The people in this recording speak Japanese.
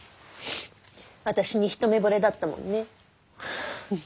私に一目ぼれだったもんね。